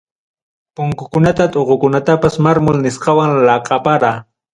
Punkukunata tuqukunatapas mármol nisqawan laqapara.